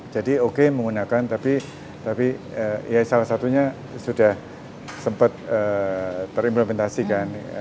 jadi oke menggunakan tapi ya salah satunya sudah sempat terimplementasikan